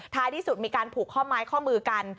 ท้ายที่สุดมีการผูกข้อม้ายข้อมือกัน